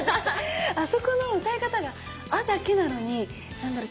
あそこの歌い方が「ア」だけなのに何だろう。